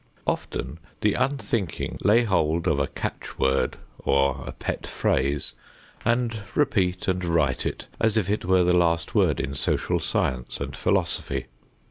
Often the unthinking lay hold of a catch word or a pet phrase and repeat and write it, as if it were the last word in social science and philosophy.